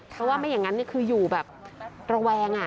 เพราะว่าไม่อย่างนั้นคืออยู่แบบระแวง